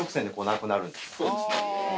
そうですね。